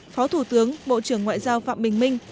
phó thủ tướng bộ trưởng ngoại giao phạm bình minh